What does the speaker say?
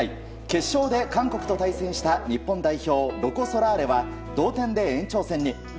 決勝で韓国と対戦した日本代表、ロコ・ソラーレは同点で延長戦に。